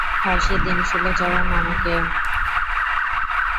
ফাঁসি দিন, শূলে চড়ান আমাকে।